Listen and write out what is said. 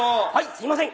すいません。